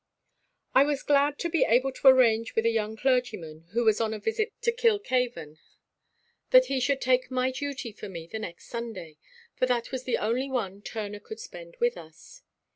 I was glad to be able to arrange with a young clergyman who was on a visit to Kilkhaven, that he should take my duty for me the next Sunday, for that was the only one Turner could spend with us.